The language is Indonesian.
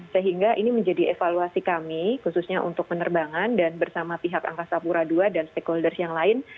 sehingga ini menjadi evaluasi kami khususnya untuk penerbangan dan bersama pihak angkasa pura ii dan stakeholders yang lain